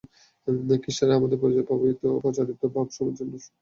খ্রীষ্টানেরা আমাদের প্রচারিত ভাব ও সত্যসমূহই যীশুর দ্বারা প্রচারিত বলে প্রকাশ করেছে।